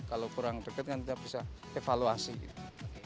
kalau kurang dekat kan kita bisa evaluasi gitu